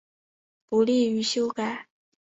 不利于修改